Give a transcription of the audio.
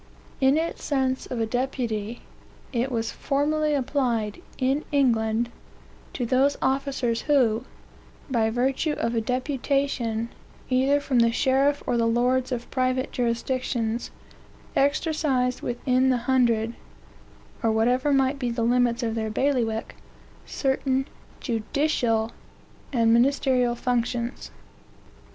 In its sense of a deputy, it was formerly applied, in England, to those officers who, by virtue of a deputation, either from the sheriff or the lords of private jurisdictions, exercised within the hundred, or whatever might be the limits of their bailiwick, certain judicial and ministerial functions.